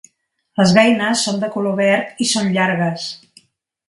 Les beines són de color verd i són llargues.